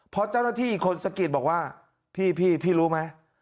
เพราะเจ้าหน้าที่คนสะกิดบอกว่าพี่พี่รู้ไหม